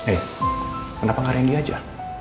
eh kenapa gak rendy aja